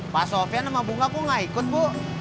pak sofyan sama bunga kok gak ikut bu